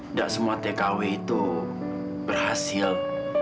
nggak semua tkw itu berhasil